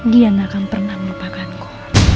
dia gak akan pernah melupakanku